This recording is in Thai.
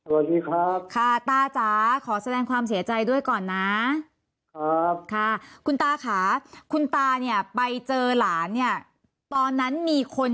สวัสดีครับค่ะตาจ๊ะขอแสดงความเสียใจด้วยก่อนนะค่ะคุณตาค่ะคุณตาเนี่ยไปเจอหลานเนี่ยตอนนั้นมีคน